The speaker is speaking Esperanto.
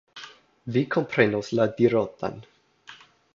Vi komprenos la dirotan.